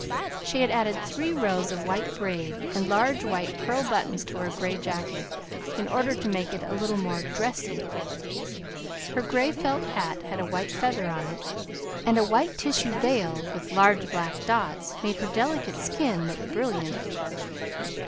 She had added three rows of white braid and large white pearl buttons to her gray jacket, in order to make it a little more "dressy." Her gray felt hat had a white feather on it, and a white tissue veil with large black dots made her delicate skin look brilliant.